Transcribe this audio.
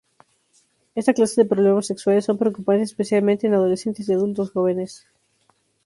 Esta clase de problemas sexuales son preocupantes especialmente en adolescentes y adultos jóvenes.